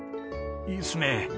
いいですね。